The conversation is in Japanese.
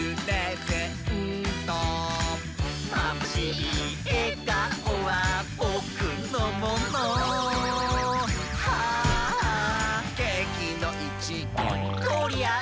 「まぶしいえがおはぼくのもの」「ケーキのいちごとりあい」